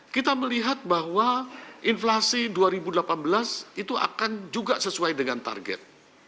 kita melihat bahwa inflasi dua ribu delapan belas itu akan juga sesuai dengan target